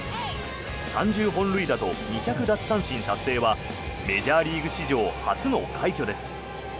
３０本塁打と２００奪三振達成はメジャーリーグ史上初の快挙です。